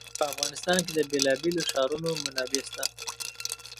په افغانستان کې د بېلابېلو ښارونو منابع شته.